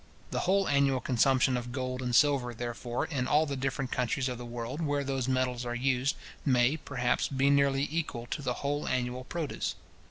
The whole annual consumption of gold and silver, therefore, in all the different countries of the world where those metals are used, may, perhaps, be nearly equal to the whole annual produce.